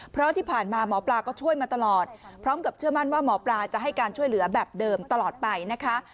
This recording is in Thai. เพราะที่ผ่านมาหมอปลาก็ช่วยมาตลอดพร้อมกับเชื่อมั่นว่าหมอปลาจะให้การช่วยเหลือแบบเดิมตลอดไปนะคะ